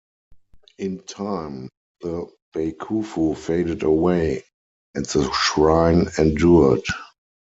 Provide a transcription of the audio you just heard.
In time, the bakufu faded away; and the shrine endured.